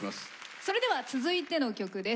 それでは続いての曲です。